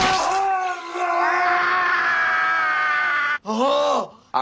ああ！